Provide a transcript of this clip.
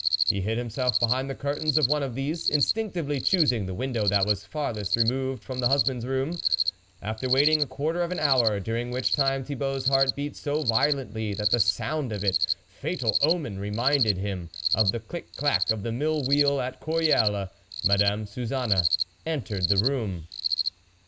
He hid himself behind the curtains of one of these, instinctively choosing the window that was farthest removed from the hus band's room. After waiting a quarter of an hour, during which time Thibault's heart beat so violently that the sound of THE WOLF LEADER it, fatal omen ! reminded him of the click clack of the mill wheel at Croyolles, Mad ame Suzanne entered the room.